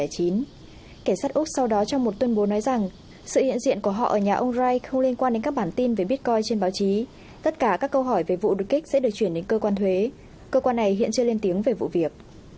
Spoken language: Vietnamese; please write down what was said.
cảnh sát úc sau đó trong một tuyên bố nói rằng sự hiện diện của họ ở nhà ông rais không liên quan đến các bản tin về bitcoin trên báo chí tất cả các câu hỏi về vụ đột kích sẽ được chuyển đến cơ quan thuế cơ quan này hiện chưa lên tiếng về vụ việc